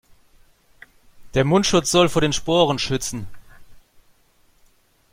Der Mundschutz soll vor den Sporen schützen.